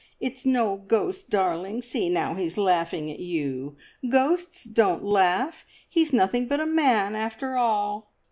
It's no ghost, darling. See, now, he's laughing at you. Ghosts don't laugh! He's nothing but a man after all!"